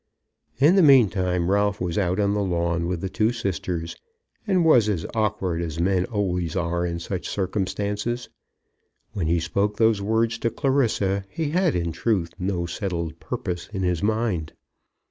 In the meantime Ralph was out on the lawn with the two sisters, and was as awkward as men always are in such circumstances. When he spoke those words to Clarissa he had in truth no settled purpose in his mind.